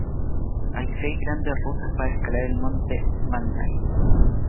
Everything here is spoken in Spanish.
Hay seis grandes rutas para escalar el Monte Bandai.